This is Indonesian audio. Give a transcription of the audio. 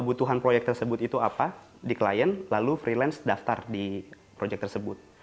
kebutuhan proyek tersebut itu apa di klien lalu freelance daftar di proyek tersebut